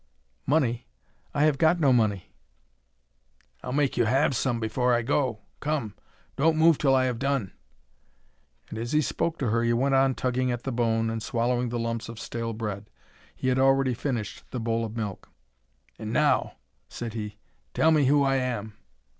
"Money! I have got no money." "I'll make you have some before I go. Come; don't move till I have done." And as he spoke to her he went on tugging at the bone, and swallowing the lumps of stale bread. He had already finished the bowl of milk. "And, now," said he, "tell me who I am."